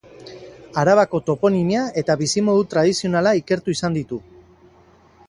Arabako toponimia eta bizimodu tradizionala ikertu izan ditu.